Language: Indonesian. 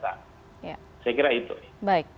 saya kira itu